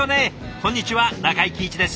こんにちは中井貴一です。